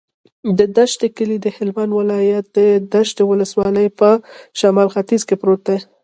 د دشټي کلی د هلمند ولایت، دشټي ولسوالي په شمال ختیځ کې پروت دی.